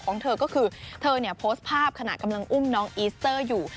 ของเธอก็คือเธอเนี่ยโพสต์ภาพขณะกำลังอุ้มน้องอีสเตอร์อยู่